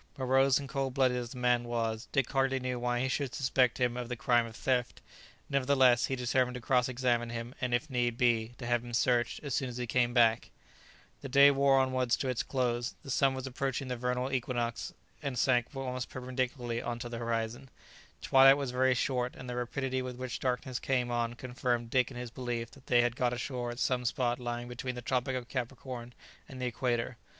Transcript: Morose and cold blooded as the man was, Dick hardly knew why he should suspect him of the crime of theft; nevertheless, he determined to cross examine him, and, if need be, to have him searched, as soon as he came back. [Illustration: Not without emotion could Mrs. Weldon, or indeed any of them, behold the unfortunate ship.] The day wore onwards to its close. The sun was approaching the vernal equinox, and sank almost perpendicularly on to the horizon. Twilight was very short, and the rapidity with which darkness came on confirmed Dick in his belief that they had got ashore at some spot lying between the tropic of Capricorn and the equator.